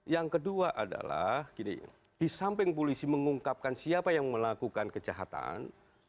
yang kedua adalah disamping polisi mengungkapkan siapa yang melakukan kejahatan